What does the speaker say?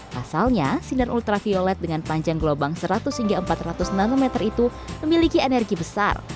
pasalnya sinar ultraviolet dengan panjang gelombang seratus hingga empat ratus nanometer itu memiliki energi besar